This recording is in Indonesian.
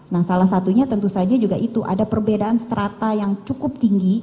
nah salah satunya tentu saja juga itu ada perbedaan strata yang cukup tinggi